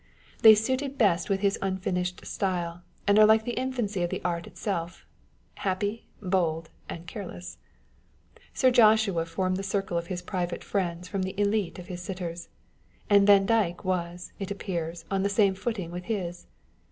They suited On Sitting for One's Picture. 153 best with his unfinished style ; and are like the infancy of the art itself â€" happy, bold, and careless. Sir Joshua formed the circle of his private friends from the elite of his sitters ; and Vandyke was, it appears, on the same footing with his.